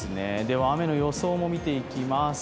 雨の予想も見ていきます。